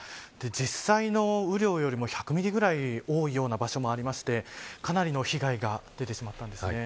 実際の雨量よりも１００ミリぐらい多いような場所もありましてかなりの被害が出てしまったんですね。